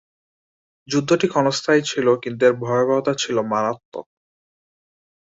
যুদ্ধটি ক্ষণস্থায়ী ছিল কিন্তু এর ভয়াবহতা ছিল মারাত্মক।